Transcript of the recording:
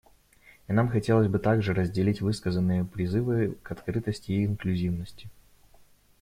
И нам хотелось бы также разделить высказанные призывы к открытости и инклюзивности.